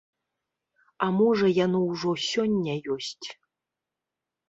А можа яно ўжо сёння ёсць.